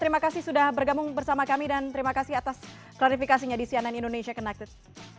terima kasih sudah bergabung bersama kami dan terima kasih atas klarifikasinya di cnn indonesia connected